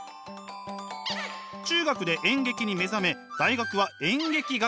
中学で演劇に目覚め大学は演劇学科へ。